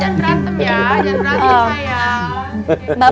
jangan berantem sayang